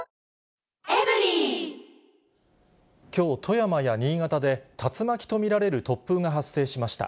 きょう、富山や新潟で竜巻と見られる突風が発生しました。